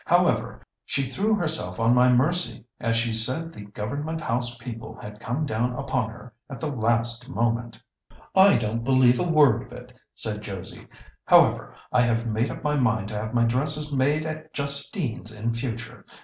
However, she threw herself on my mercy, as she said the Government House people had come down upon her at the last moment." "I don't believe a word of it," said Josie. "However, I have made up my mind to have my dresses made at Justine's in future.